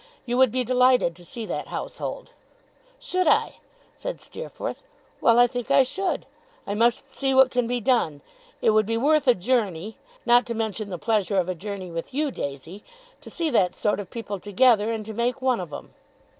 You would be delighted to see that household.' 'Should I?' said Steerforth. 'Well, I think I should. I must see what can be done. It would be worth a journey (not to mention the pleasure of a journey with you, Daisy), to see that sort of people together, and to make one of 'em.